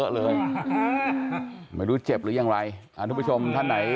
เลยไม่รู้เจ็บหรืออย่างไรท่านหน่อย